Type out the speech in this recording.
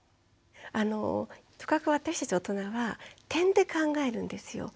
とかく私たち大人は点で考えるんですよ。